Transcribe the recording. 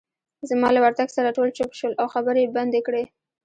زما له ورتګ سره ټول چوپ شول، او خبرې يې بندې کړې.